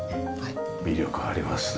魅力ありますね